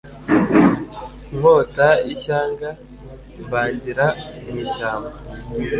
Nkota y'ishyanga, mbangira mu ishyamba.